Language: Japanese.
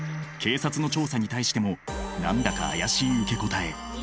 警察の調査に対しても何だか怪しい受け答え。